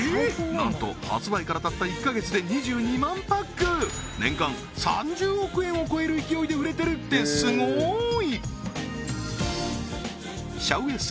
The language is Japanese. なんと発売からたった１カ月で２２万パック年間３０億円を超える勢いで売れてるってすごーい！